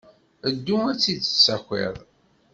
Ddu ad tt-id-tessakiḍ.